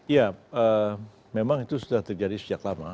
ya memang itu sudah terjadi sejak lama